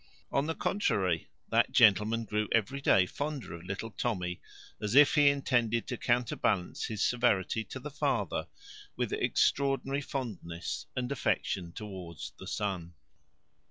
On the contrary, that gentleman grew every day fonder of little Tommy, as if he intended to counterbalance his severity to the father with extraordinary fondness and affection towards the son.